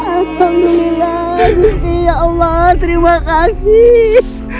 alhamdulillah ya allah terima kasih